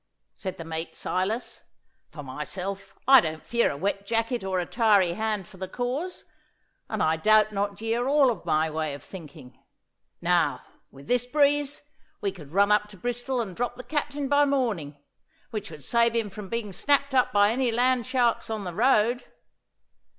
said the mate Silas. 'For myself, I don't fear a wet jacket or a tarry hand for the cause, and I doubt not ye are all of my way of thinking. Now with this breeze we could run up to Bristol and drop the Captain by morning, which would save him from being snapped up by any land sharks on the road.